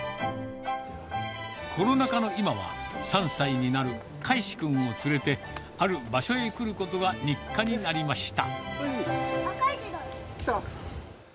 コロナ禍の今は、３歳になるかいしくんを連れて、ある場所へ来ることが日課になり来た？